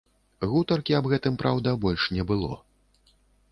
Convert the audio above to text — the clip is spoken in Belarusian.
Гутаркі аб гэтым, праўда, больш не было.